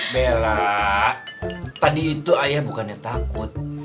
bella tadi itu ayah bukannya takut